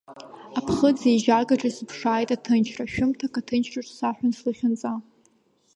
Аԥхыӡ еижьагаҿ исыԥшааит аҭынчра, шәымҭак аҭынчраз саҳәон слахьынҵа.